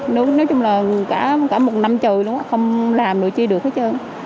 nói chung là cả một năm trời luôn không làm được chi được hết trơn